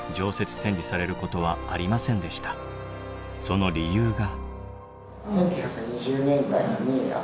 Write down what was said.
その理由が。